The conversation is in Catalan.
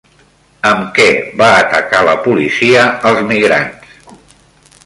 Amb què va atacar la policia als migrants?